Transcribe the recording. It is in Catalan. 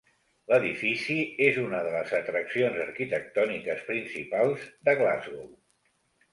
L'edifici és una de les atraccions arquitectòniques principals de Glasgow.